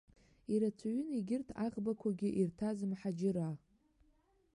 Ирацәаҩын егьырҭ аӷбақәагьы ирҭаз мҳаџьыраа.